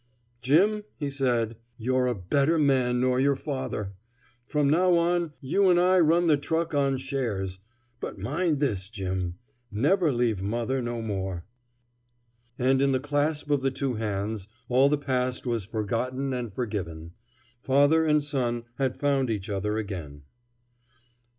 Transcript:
"Jim," he said, "you're a better man nor yer father. From now on, you'n I run the truck on shares. But mind this, Jim: never leave mother no more." And in the clasp of the two hands all the past was forgotten and forgiven. Father and son had found each other again.